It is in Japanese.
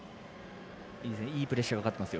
いいプレッシャーがかかってますよ。